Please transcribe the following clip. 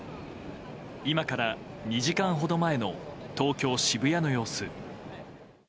今から２時間ほど前の東京・渋谷の様子。